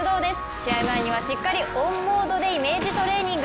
試合前にはしっかりオンモードでイメージトレーニング。